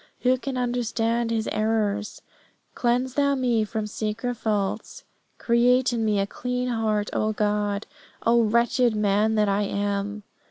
Who can understand his errors? Cleanse Thou me from secret faults. Create in me a clean heart, O God, O wretched man that I am!